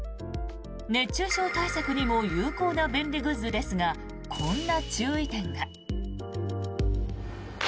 熱中症対策にも有効な便利グッズですがこんな注意点が。